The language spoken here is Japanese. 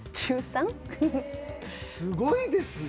すごいですね。